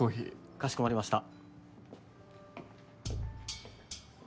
かしこまりました。